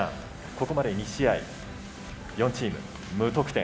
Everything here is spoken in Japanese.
ここまで２試合４チーム無得点。